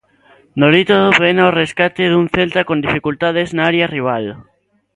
Nolito vén ao rescate dun Celta con dificultades na area rival.